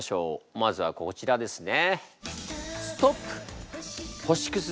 まずはこちらですね。